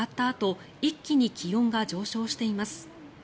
あと一気に気温が上昇しています。